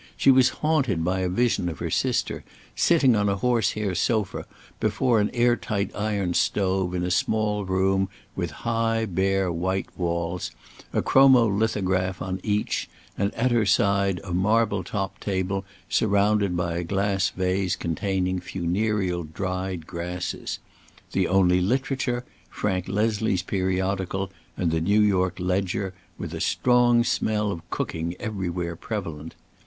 She was haunted by a vision of her sister, sitting on a horse hair sofa before an air tight iron stove in a small room with high, bare white walls, a chromolithograph on each, and at her side a marble topped table surmounted by a glass vase containing funereal dried grasses; the only literature, Frank Leslie's periodical and the New York Ledger, with a strong smell of cooking everywhere prevalent.